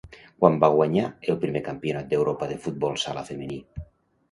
Quan va guanyar el primer Campionat d'Europa de futbol sala femení?